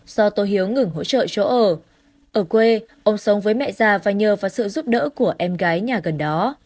do tô hiếu ngừng hỗ trợ chỗ ở quê ông sống với mẹ già và nhờ vào sự giúp đỡ của em gái nhà gần đó